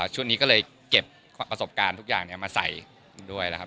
ช่วงนี้ก็เลยเก็บประสบการณ์ทุกอย่างมาใส่ด้วยนะครับ